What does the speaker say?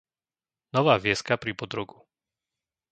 Nová Vieska pri Bodrogu